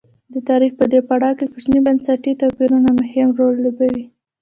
د تاریخ په دې پړاو کې کوچني بنسټي توپیرونه مهم رول لوبوي.